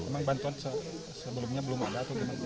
memang bantuan sebelumnya belum ada